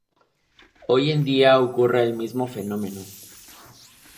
Hoy en día ocurre el mismo fenómeno.